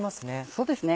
そうですね